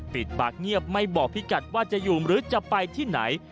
ปิดปากเงียบไม่บอกพี่กัดว่าจะอยู่หรือจะไปที่ไหน